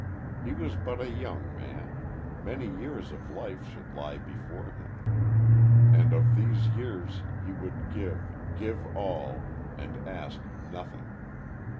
He was but a young man; many years of life should lie before him; and of these years he would give, give all, and ask nothing.